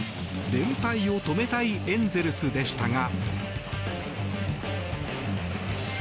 連敗を止めたいエンゼルスでしたが。